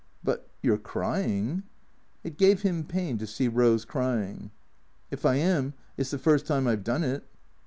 " But — you 're crying." It gave him pain to see Rose crying. " If I am it 's the first time I 've done it."